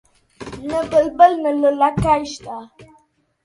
نه بلبل نه لولکۍ شته